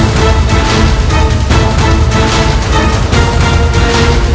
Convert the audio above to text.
selamat tinggal th janji